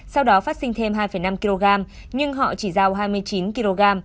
sau đó phát sinh thêm hai năm kg nhưng họ chỉ giao hai mươi chín kg